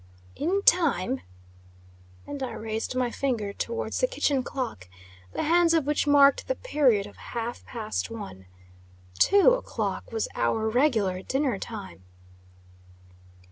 "In time!" and I raised my finger towards the kitchen clock, the hands of which marked the period of half past one. Two o'clock was our regular dinner hour.